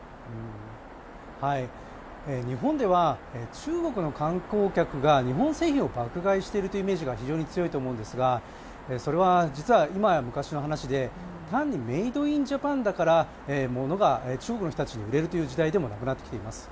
日本では中国の観光客が日本製品を爆買いしているというイメージが非常に強いと思うんですが、それは実は今や昔の話で単にメイド・イン・ジャパンだからものが中国の人たちに売れるという時代でもなくなってきています。